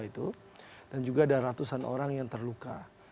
dua puluh satu dua puluh dua itu dan juga ada ratusan orang yang terluka